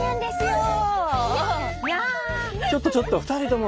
ちょっとちょっと２人とも！